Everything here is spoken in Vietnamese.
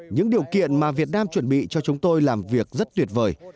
những điều kiện mà việt nam chuẩn bị cho chúng tôi làm việc rất tuyệt vời